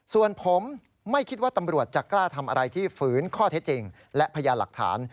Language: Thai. ส่วนผมไม่คิดว่าตำรวจจะกล้าทำอะไรที่ฝืนข้อเท็จจริงและพยานหลักฐาน